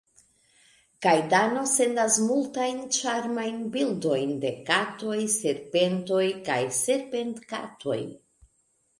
Kaj Dano sendas multajn ĉarmajn bildojn de katoj, serpentoj kaj serpentkatoj.